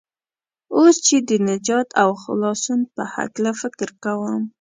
اوس چې د نجات او خلاصون په هلکه فکر کوم.